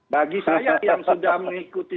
bagi saya yang sudah mengikuti